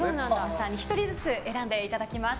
１人ずつ選んでいただきます。